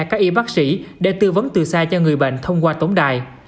các y bác sĩ để tư vấn từ xa cho người bệnh thông qua tổng đài